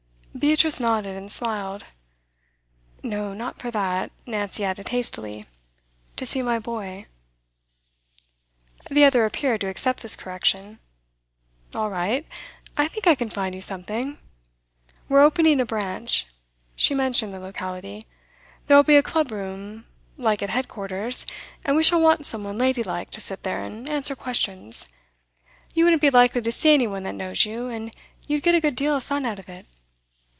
Beatrice nodded and smiled. 'No, not for that,' Nancy added hastily. 'To see my boy.' The other appeared to accept this correction. 'All right. I think I can find you something. We're opening a branch.' She mentioned the locality. 'There'll be a club room, like at headquarters, and we shall want some one ladylike to sit there and answer questions. You wouldn't be likely to see any one that knows you, and you'd get a good deal of fun out of it.